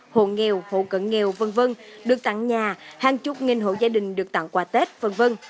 hộ nghèo hộ cận nghèo v v được tặng nhà hàng chục nghìn hộ gia đình được tặng quà tết v v